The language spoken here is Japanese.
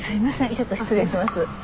ちょっと失礼します。